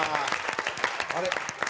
あれ？